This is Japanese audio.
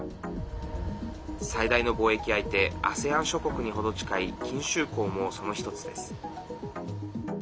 最大の貿易相手ＡＳＥＡＮ諸国に程近い欽州港もその１つです。